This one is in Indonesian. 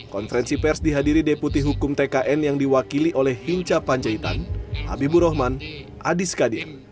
konferensi pers dihadiri deputi hukum tkn yang diwakili oleh hinca panjaitan habibur rahman adis kadin